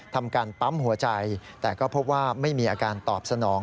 ทำการปั๊มหัวใจแต่ก็พบว่าไม่มีอาการตอบสนอง